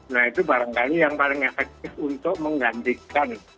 nah itu barangkali yang paling efektif untuk menggantikan